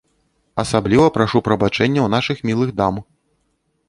Асабліва прашу прабачэння ў нашых мілых дам!